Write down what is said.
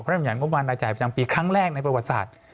รำจัดงบประมาณรายจ่ายประจำปีครั้งแรกในประวัติศาสตร์